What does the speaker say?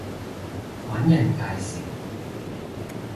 搵人介紹